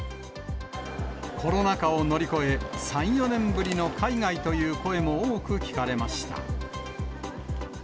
コロナ禍を乗り越え、３、４年ぶりの海外という声も多く聞かれました。